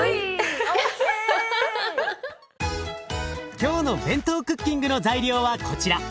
今日のＢＥＮＴＯクッキングの材料はこちら。